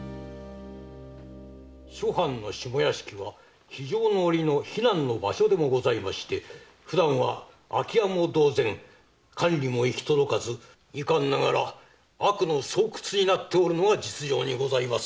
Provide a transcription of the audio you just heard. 諸藩の下屋敷は非常の折の避難の場所でもございまして普段は空き家も同然管理も行き届かず遺憾ながら悪の巣窟になっておるのが実情にございます。